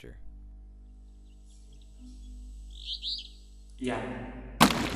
Jalung.